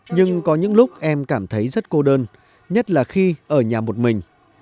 nhưng có những lúc em cảm thấy rất cô đơn nhất là khi ở nhà một mình